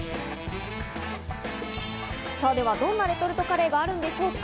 ではどんなレトルトカレーがあるのでしょうか。